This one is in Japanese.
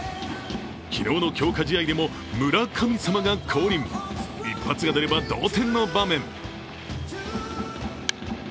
昨日の強化試合でも村神様が降臨、一発が出れば同点の場面。